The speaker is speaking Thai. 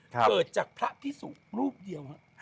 เกิดจากพระพิสุรูปเดียวฮะ